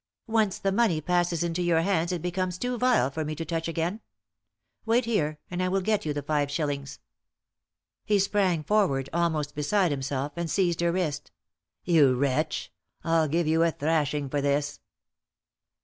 "Once the money passes into your hands it becomes too vile for me to touch again. Wait here, and I will get you the five shillings." He sprang forward, almost beside himself, and seized her wrist. "You wretch I'll give you a thrashing for this."